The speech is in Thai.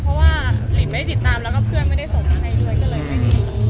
เพราะว่าลินไม่ได้ติดตามแล้วเพื่อนไม่ได้ส่งให้ด้วย